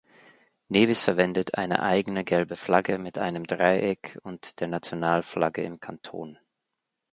Nevis verwendet eine eigene gelbe Flagge mit einem Dreieck und der Nationalflagge im Kanton.